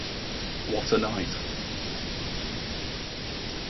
What A Night.